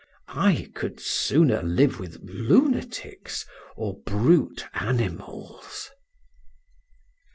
I could sooner live with lunatics or brute animals.